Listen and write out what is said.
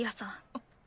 あっ。